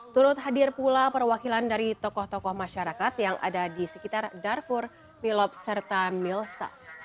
turut hadir pula perwakilan dari tokoh tokoh masyarakat yang ada di sekitar darfur milop serta milsa